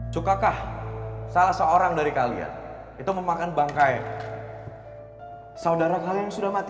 sukakah salah seorang dari kalian itu memakan bangkai saudara kalian sudah mati